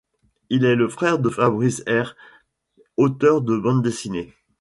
Il est le frère de Fabrice Erre, auteur de bande dessinée.